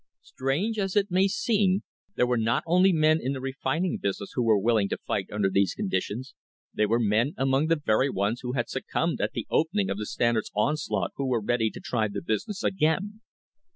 "* Strange as it may seem there were not only men in the refin ing business who were willing to fight under these conditions, there were men among the very ones who had succumbed at the opening of the Standard's onslaught who were ready to try the business again.